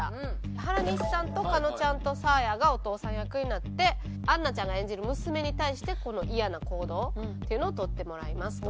原西さんと加納ちゃんとサーヤがお父さん役になって杏奈ちゃんが演じる娘に対してこの嫌な行動っていうのを取ってもらいますと。